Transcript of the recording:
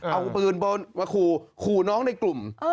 เอาปืนมาขู่ขู่น้องในกลุ่ม